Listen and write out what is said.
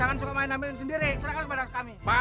nanti bapak bisa jelaskan kepada kami